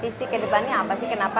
visi kedepannya apa sih